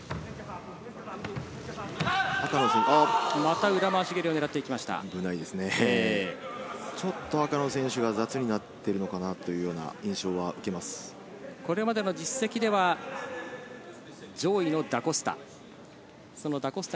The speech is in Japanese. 赤の選手がちょっと雑になっているのかなという印象をこれまでの実績は上位のダ・コスタ。